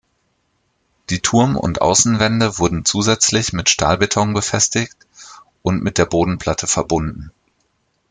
Die Turm- und Außenwände wurden zusätzlich mit Stahlbeton befestigt und mit der Bodenplatte verbunden.